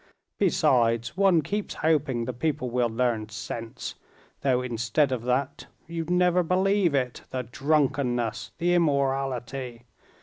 Besides, one keeps hoping the people will learn sense. Though, instead of that, you'd never believe it—the drunkenness, the immorality!